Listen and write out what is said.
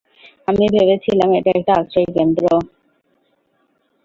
আমি ভেবেছিলাম এটা একটা আশ্রয়কেন্দ্র।